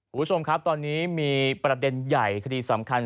คุณผู้ชมครับตอนนี้มีประเด็นใหญ่คดีสำคัญ